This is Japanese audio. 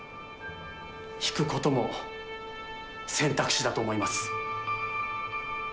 ひくことも選択肢だと思います。